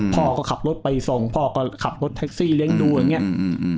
พ่อก็ขับรถไปส่งพ่อก็ขับรถแท็กซี่เลี้ยงดูอย่างเงี้อืม